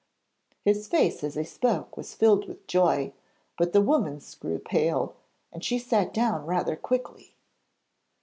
His face as he spoke was filled with joy, but the woman's grew pale and she sat down rather quickly.